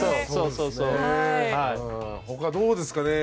他、どうですかね。